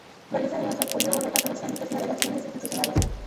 Realiza además apoyo a regatas oceánicas y navegaciones institucionales.